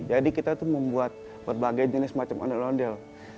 jadi kita tuh membuat berbagai jenis macam ondel ondel